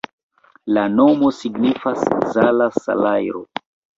La nomo signifas: Zala-salajro.